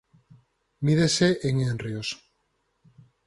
Mídese en henrios.